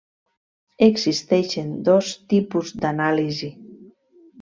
Existeixen dos tipus d'anàlisi.